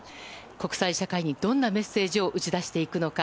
国際社会にどんなメッセージを打ち出していくのか。